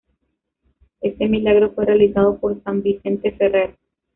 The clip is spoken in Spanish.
Este milagro fue realizado por San Vicente Ferrer.